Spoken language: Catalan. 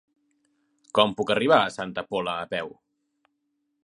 Com puc arribar a Santa Pola a peu?